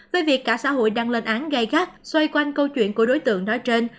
với việc cả xã hội đang lên án gai gắt xoay quanh câu chuyện của đối tượng nói trên